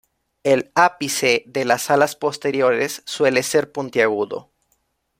El ápice de las alas posteriores suele ser puntiagudo.